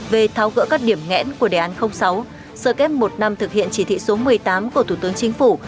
về tháo gỡ các điểm nghẽn của đề án sáu sơ kết một năm thực hiện chỉ thị số một mươi tám của thủ tướng chính phủ